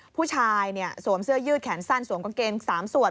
ผู้ชายเนี่ยสวมเสื้อยืดแขนสั้นสวมกางเกณฑ์สามส่วน